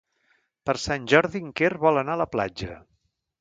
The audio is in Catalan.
Per Sant Jordi en Quer vol anar a la platja.